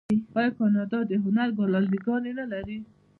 آیا کاناډا د هنر ګالري ګانې نلري؟